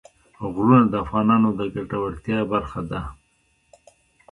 غرونه د افغانانو د ګټورتیا برخه ده.